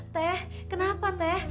teh kenapa teh